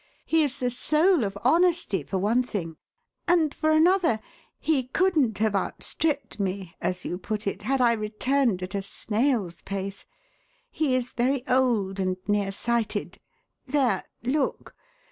He is the soul of honesty, for one thing; and, for another, he couldn't have outstripped me, as you put it, had I returned at a snail's pace. He is very old, and near sighted. There! look!